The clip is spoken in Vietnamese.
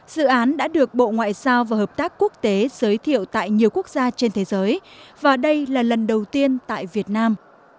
dự án đã được bộ ngoại giao và hợp tác quốc tế giới thiệu tại nhiều quốc gia trên thế giới và đây là lần đầu tiên tại việt nam